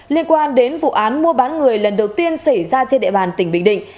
liên quan đến vụ án mua bán người lần đầu tiên xảy ra trên địa bàn tỉnh bình định